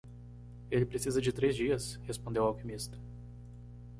"Ele precisa de três dias?" respondeu o alquimista.